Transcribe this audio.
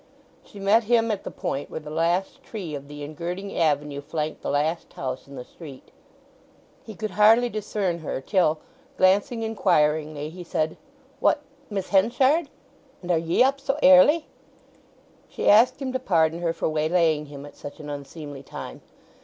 She met him at the point where the last tree of the engirding avenue flanked the last house in the street. He could hardly discern her till, glancing inquiringly, he said, "What—Miss Henchard—and are ye up so airly?" She asked him to pardon her for waylaying him at such an unseemly time.